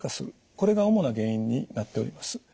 これが主な原因になっております。